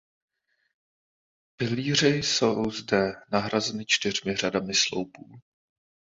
Pilíře jsou zde nahrazeny čtyřmi řadami sloupů.